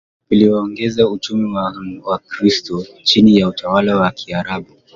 viliongeza uchungu kwa Wakristo chini ya utawala wa Kiarabu